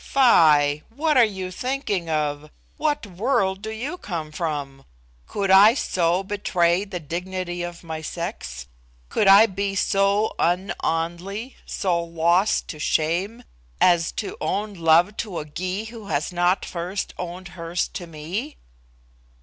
"Fie! What are you thinking of? What world do you come from? Could I so betray the dignity of my sex? Could I be so un Anly so lost to shame, as to own love to a Gy who has not first owned hers to me?"